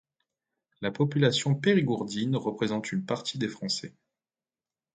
La population périgourdine représente une partie des Français.